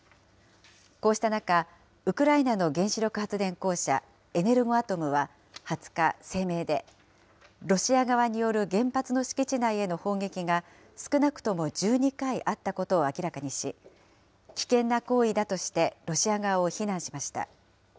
こうした中、ウクライナの原子力発電公社、エネルゴアトムは２０日、声明で、ロシア側による原発の敷地内への砲撃が、少なくとも１２回あったことを明らかにし、危険な行為だとして、ロシア側を非難しました。